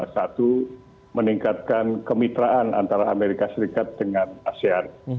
satu meningkatkan kemitraan antara amerika serikat dengan asean